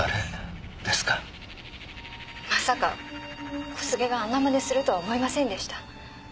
まさか小菅があんなまねするとは思いませんでした。